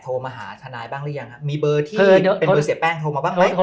เป็นเวลาเสียแป้งโทรมาบ้างไหม